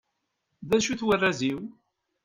D acu-t warraz-iw?